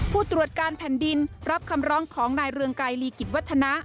ผู้ตรวจการแผ่นดินรับคำร้องของนายเรืองไกรลีกิจวัฒนะ